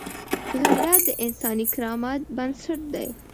غیرت د انساني کرامت بنسټ دی